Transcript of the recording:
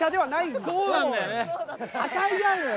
はしゃいじゃうのよ。